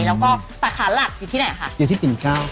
แล้วก็สาขาหลักอยู่ที่ไหน